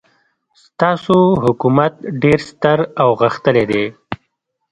ستاسو حکومت ډېر ستر او غښتلی دی.